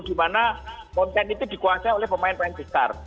dimana konten itu dikuasai oleh pemain pemain besar